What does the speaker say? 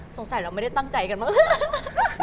เราไม่ได้ตั้งใจกันมาก